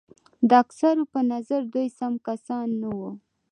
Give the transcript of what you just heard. د اکثرو په نظر دوی سم کسان نه وو.